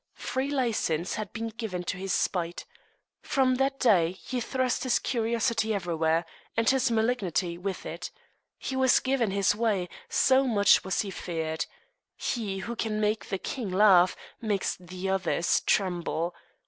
Free licence had been given to his spite. From that day he thrust his curiosity everywhere, and his malignity with it. He was given his way, so much was he feared. He who can make the king laugh makes the others tremble.